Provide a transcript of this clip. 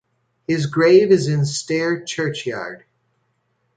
His grave is in Stair churchyard.